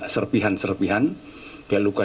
serpihan serpihan biar luka